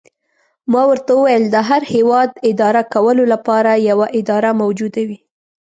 ما ورته وویل: د هر هیواد اداره کولو لپاره یوه اداره موجوده وي.